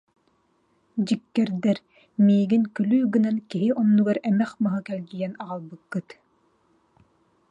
Дьиккэрдэр, миигин күлүү гынан, киһи оннугар эмэх маһы кэлгийэн аҕалбыккыт